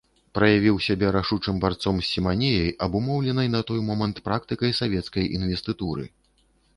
Праявіў сябе рашучым барцом з сіманіяй, абумоўленай на той момант практыкай свецкай інвестытуры.